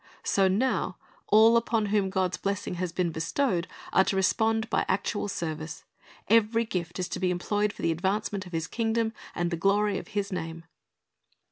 So now all upon whom God's blessing has been bestowed are to respond by actual service; every gift is to be employed for the advancement of His kingdom and the glory of His name.